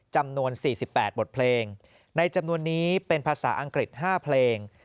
จำนวน๔๘บทเพลงในจำนวนนี้เป็นภาษาอังกฤษ๕เพลง